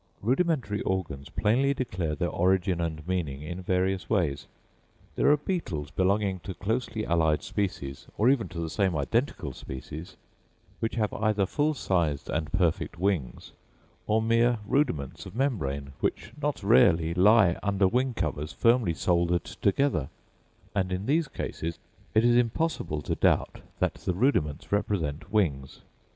Rudimentary organs plainly declare their origin and meaning in various ways. There are beetles belonging to closely allied species, or even to the same identical species, which have either full sized and perfect wings, or mere rudiments of membrane, which not rarely lie under wing covers firmly soldered together; and in these cases it is impossible to doubt, that the rudiments represent wings.